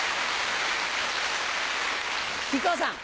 木久扇さん。